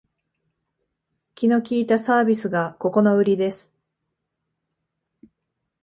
気の利いたサービスがここのウリです